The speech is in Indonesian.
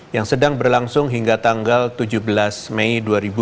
yang sedang berlangsung hingga tanggal tujuh belas mei dua ribu dua puluh